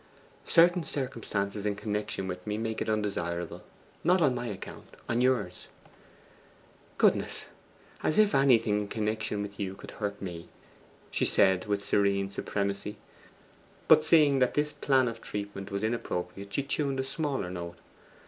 'Certain circumstances in connection with me make it undesirable. Not on my account; on yours.' 'Goodness! As if anything in connection with you could hurt me,' she said with serene supremacy; but seeing that this plan of treatment was inappropriate, she tuned a smaller note.